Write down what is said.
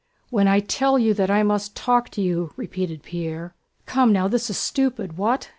"When I tell you that I must talk to you!..." repeated Pierre. "Come now, this is stupid. What?"